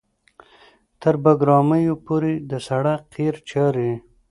تر بګرامیو پورې د سړک قیر چارې